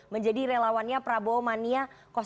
menjadi relawannya prabowo mania satu